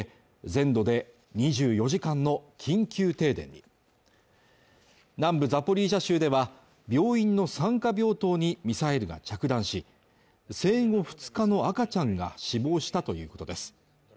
全土で２４時間の緊急停電に南部ザポリージャ州では病院の産科病棟にミサイルが着弾し生後２日の赤ちゃんが死亡したということです